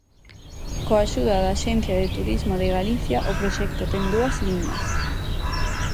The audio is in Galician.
Coa axuda da axencia de turismo de Galicia, o proxecto ten dúas liñas.